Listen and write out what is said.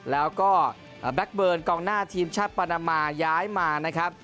และก็แบล็กเบิ้ลกล่องหน้าทีมชาติประนามาย้ายมา